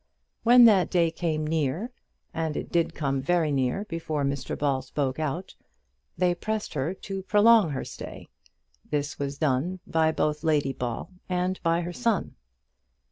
When that day came near and it did come very near before Mr Ball spoke out they pressed her to prolong her stay. This was done by both Lady Ball and by her son.